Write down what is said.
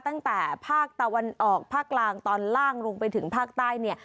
ตั้งแต่ภาคตะวันออกภาคกลางตอนล่างลงไปถึงภาคใต้เนี่ย